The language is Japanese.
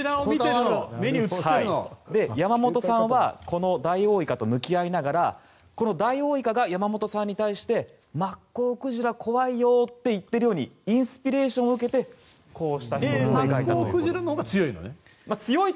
山本さんは、このダイオウイカと向き合いながらこのダイオウイカが山本さんに対してマッコウクジラ怖いよ！って言ってるようにインスピレーションを受けたと。